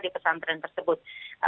di pesantren tersebut